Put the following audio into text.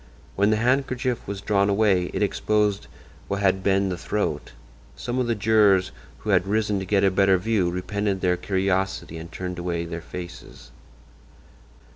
When the handkerchief was drawn away it exposed what had been the throat. Some of the jurors who had risen to get a better view repented their curiosity and turned away their faces.